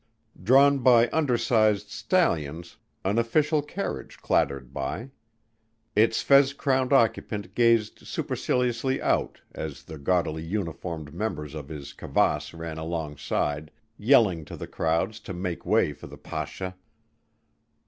Drawn by undersized stallions, an official carriage clattered by. Its fez crowned occupant gazed superciliously out as the gaudily uniformed members of his kavasse ran alongside yelling to the crowds to make way for the Pasha!